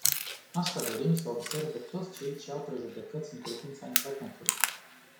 Asta dorim să observe toți cei ce au prejudecăți în privința internetului.